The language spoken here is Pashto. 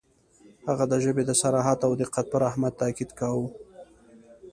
• هغه د ژبې د صراحت او دقت پر اهمیت تأکید کاوه.